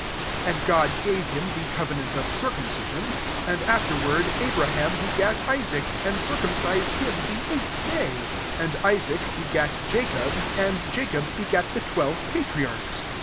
8 <« (And God gave him the covenant of circumcision : and afterward Abraham begat Isaac, and circumcised him the eighth day ; and Isaac begat Jacob, and Jacob begat the twelve patri archs.